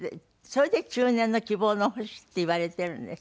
それで中年の希望の星っていわれてるんですってね。